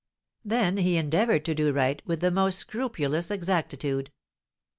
Then he endeavored to do right with the most scrupulous exactitude.